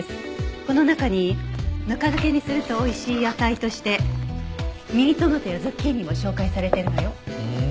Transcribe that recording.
この中にぬか漬けにするとおいしい野菜としてミニトマトやズッキーニも紹介されてるのよ。